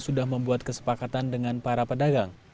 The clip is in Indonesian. sudah membuat kesepakatan dengan para pedagang